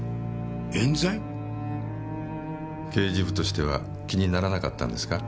刑事部としては気にならなかったんですか？